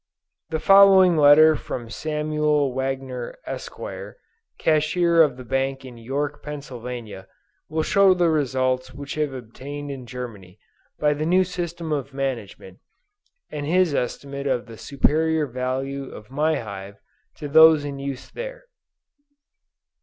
The following letter from Samuel Wagner, Esq., cashier of the bank in York, Pennsylvania, will show the results which have been obtained in Germany, by the new system of management, and his estimate of the superior value of my hive to those in use there.